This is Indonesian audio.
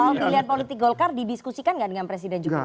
soal pilihan politik golkar didiskusikan nggak dengan presiden jokowi